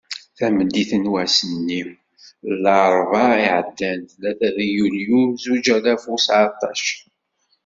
Tameddit n wass-nni n larebɛa i iɛeddan, tlata deg yulyu zuǧ alaf u seεṭac.